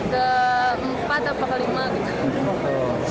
di rio ke empat atau ke lima gitu